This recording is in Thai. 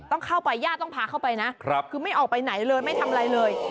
ต้องเข้าไปญาติต้องพาเข้าไปนะคือไม่ออกไปไหนเลยไม่ทำอะไรเลย